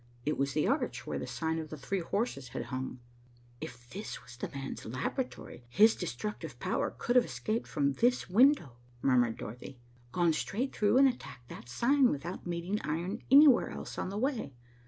It was the arch where the sign of the "Three Horses" had hung. "If this was the man's laboratory, his destructive power could have escaped from this window," murmured Dorothy, "gone straight through, and attacked that sign, without meeting iron anywhere else on the way.